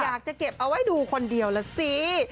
อยากจะเก็บเอาไว้ดูคนเดียวล่ะสิ